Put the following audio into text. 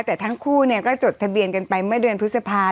แต่ทั้งคู่ก็จดทะเบียนกันไปเมื่อเดือนพฤษภา